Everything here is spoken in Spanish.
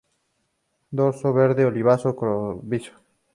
Dorso verde oliva cobrizo.